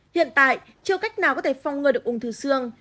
hiện tại chưa cách nào có thể phong ngừa được ung thư xương